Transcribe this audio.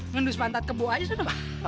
ngendus pantat kebua aja sudah